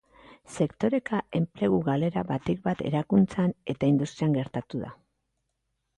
Sektoreka, enplegu galera batik bat erakuntzan eta industrian gertatu da.